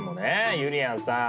ゆりやんさん